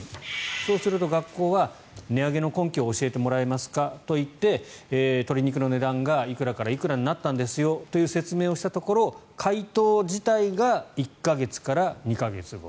そうすると学校は値上げの根拠を教えてもらえますかと言って鶏肉の値段がいくらからいくらになったんですよという説明をしたところ回答自体が１か月から２か月後。